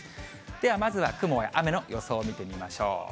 では、まずは雲や雨の予想を見てみましょう。